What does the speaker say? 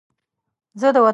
زه د وطن غېږ کې ستر شوی یم